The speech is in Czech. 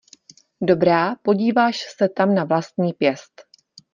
Dobrá, podíváš se tam na vlastní pěst.